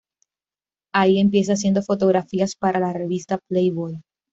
Ahí empieza haciendo fotografías para la revista Playboy.